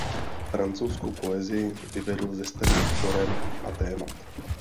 Francouzskou poezii vyvedl ze starých forem a témat.